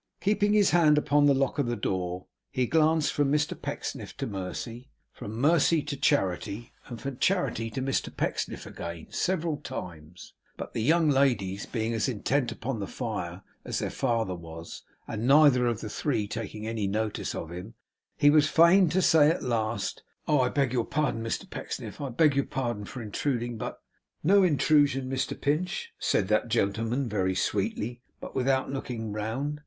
Keeping his hand upon the lock of the door, he glanced from Mr Pecksniff to Mercy, from Mercy to Charity, and from Charity to Mr Pecksniff again, several times; but the young ladies being as intent upon the fire as their father was, and neither of the three taking any notice of him, he was fain to say, at last, 'Oh! I beg your pardon, Mr Pecksniff: I beg your pardon for intruding; but ' 'No intrusion, Mr Pinch,' said that gentleman very sweetly, but without looking round.